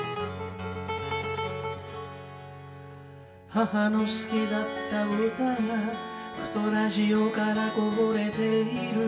「母の好きだった歌がふとラジオからこぼれている」